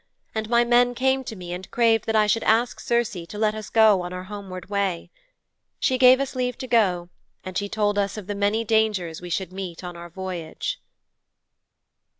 And my men came to me and craved that I should ask Circe to let us go on our homeward way. She gave us leave to go and she told us of the many dangers we should meet on our voyage.'